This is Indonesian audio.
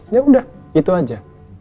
ya udah itu aja